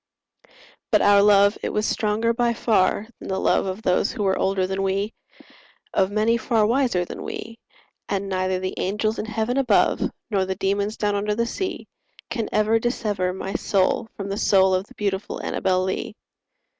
But our love it was stronger by far than the love Of those who were older than we— Of many far wiser than we— And neither the angels in heaven above, Nor the demons down under the sea, Can ever dissever my soul from the soul Of the beautiful Annabel Lee.